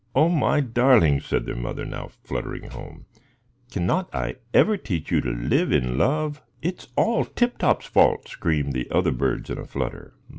"O my darlings," said their mamma, now fluttering home, "cannot I ever teach you to live in love?" "It's all Tip Top's fault," screamed the other birds in a flutter.